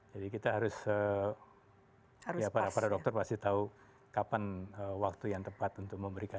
jadi kita harus para dokter pasti tahu kapan waktu yang tepat untuk memberikan itu